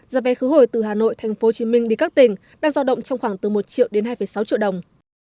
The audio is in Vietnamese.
giá vé khứ hồi từ hà nội tp hcm đi các tỉnh đang giao động trong khoảng từ một triệu đến hai sáu triệu đồng